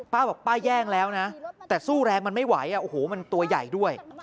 ป้าบอกป้าแย่งแล้วนะแต่สู้แรงมันไม่ไหวโอ้โหมันตัวใหญ่ด้วย